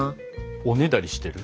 おねだりしてる？